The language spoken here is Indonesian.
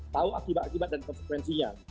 tahu akibat akibat dan konsekuensinya